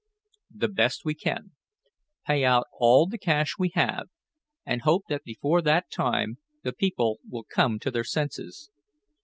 "The best we can. Pay out all the cash we have, and hope that before that time, the people will come to their senses.